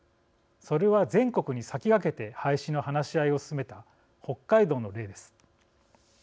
それは、全国に先駆けて廃止の話し合いを進めた北海道の例です。